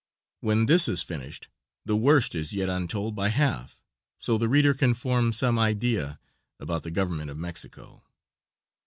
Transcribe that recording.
When this is finished the worst is yet untold by half, so the reader can form some idea about the Government of Mexico.